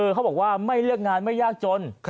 เขาบอกว่าไม่เลือกงานไม่ยากจน